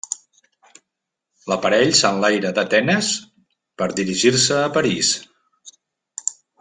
L'aparell s'enlaira d'Atenes per dirigir-se a París.